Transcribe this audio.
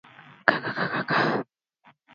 It was restructured by Legislative Decree no.